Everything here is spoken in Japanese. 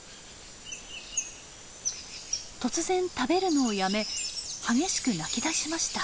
突然食べるのをやめ激しく鳴きだしました。